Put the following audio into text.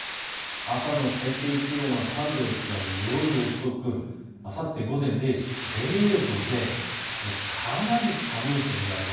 朝の最低気温は３度ですが夜遅くあさって午前０時０度で、かなり寒いと見られます。